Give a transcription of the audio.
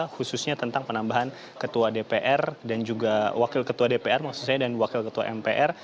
khususnya tentang penambahan ketua dpr dan juga wakil ketua dpr maksud saya dan wakil ketua mpr